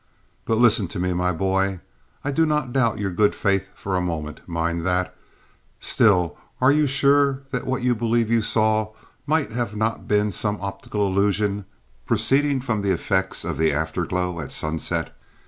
"But listen to me, my boy. I do not doubt your good faith for a moment, mind that. Still, are you sure that what you believe you saw might not have been some optical illusion proceeding from the effects of the afterglow at sunset?